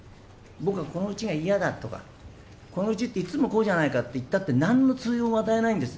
僕はこのうちが嫌だとか、このうちっていつもこうじゃないかって言ったって、なんのつうようを与えないんです。